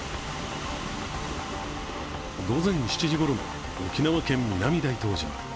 午前７時ごろの沖縄県南大東島。